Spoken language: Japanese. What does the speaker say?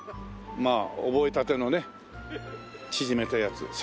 まあ覚えたてのね縮めたやつ。